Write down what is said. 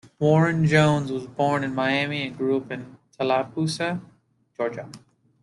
Warren Jones was born in Miami and grew up in Tallapoosa, Georgia.